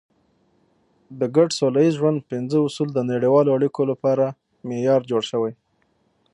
د ګډ سوله ییز ژوند پنځه اصول د نړیوالو اړیکو لپاره معیار جوړ شوی.